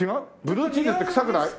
ブルーチーズって臭くない？